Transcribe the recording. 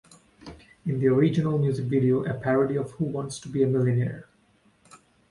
In the original music video, a parody of Who Wants to Be a Millionaire?